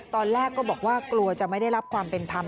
ตอนแรกก็บอกว่ากลัวจะไม่ได้รับความเป็นธรรม